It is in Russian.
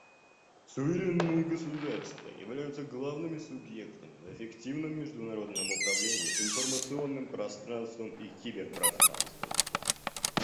Суверенные государства являются главными субъектами в эффективном международном управлении информационным пространством и киберпространством.